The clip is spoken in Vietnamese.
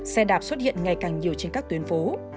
xe đạp xuất hiện ngày càng nhiều trên các tuyến phố